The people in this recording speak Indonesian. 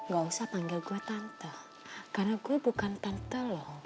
gak usah panggil gue tante karena gue bukan tanto loh